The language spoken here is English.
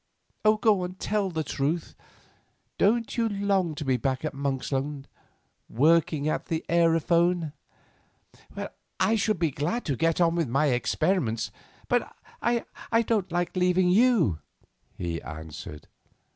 Tell the truth. Don't you long to be back at Monksland, working at that aerophone?" "I should be glad to get on with my experiments, but I don't like leaving you," he answered.